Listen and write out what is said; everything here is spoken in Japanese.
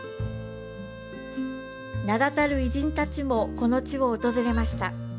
名だたる偉人たちもこの地を訪れました。